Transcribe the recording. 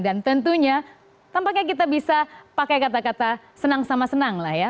dan tentunya tampaknya kita bisa pakai kata kata senang sama senang lah ya